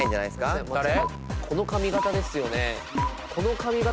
この髪型ですよね。